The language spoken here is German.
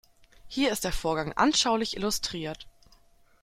Hier ist der Vorgang anschaulich illustriert.